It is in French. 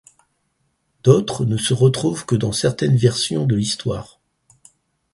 D'autres ne se retrouvent que dans certaines versions de l'histoire.